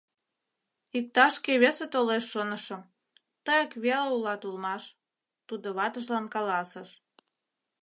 — Иктаж-кӧ весе толеш шонышым, тыяк веле улат улмаш, — тудо ватыжлан каласыш.